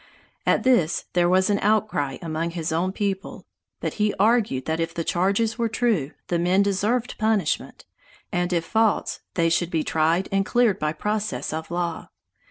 At this there was an outcry among his own people; but he argued that if the charges were true, the men deserved punishment, and if false, they should be tried and cleared by process of law.